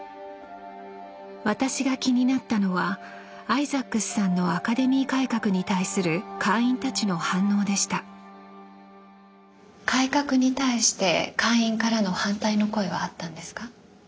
私が気になったのはアイザックスさんのアカデミー改革に対する会員たちの反応でした改革に対して会員からの反対の声はあったんですか？